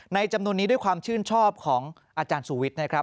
จำนวนนี้ด้วยความชื่นชอบของอาจารย์สุวิทย์นะครับ